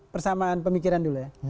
persamaan pemikiran dulu ya